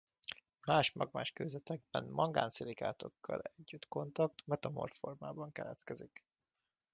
Más magmás kőzetekben mangán-szilikátokkal együtt kontakt metamorf formában keletkezik.